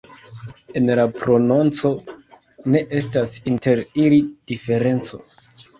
En la prononco ne estas inter ili diferenco.